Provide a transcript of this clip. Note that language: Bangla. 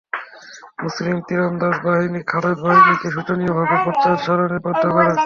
মুসলিম তীরন্দাজ বাহিনী খালেদ বাহিনীকে শোচনীয়ভাবে পশ্চাদপসারণে বাধ্য করে।